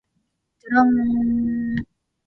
じゃらんーーーーー